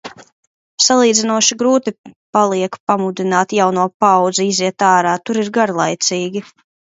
Salīdzinoši grūti paliek pamudināt jauno paaudzi iziet ārā. Tur ir garlaicīgi.